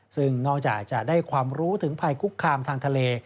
ซึ่งนอกจากจะได้ความรู้ถึงภัยคุกคามทางทะเล